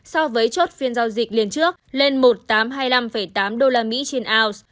so với chốt phiên giao dịch liên trước lên một tám trăm hai mươi năm tám usd trên oz